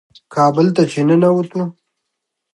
کابل ته چې ننوتو.